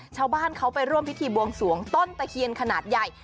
ชาวบ้านเขาไปร่วมพิธีบวงสวงต้นตะเคียนขนาดใหญ่